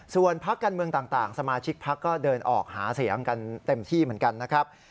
ส่วนพักการเมืองต่างสมาชิกพักก็เดินออกหาเสียงกันเต็มที่เหมือนกันนะครับ